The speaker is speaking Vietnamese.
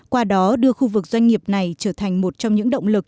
qua đó đưa khu vực doanh nghiệp này trở thành một trong những động lực